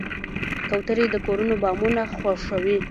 کوترې د کورونو بامونه خوښوي.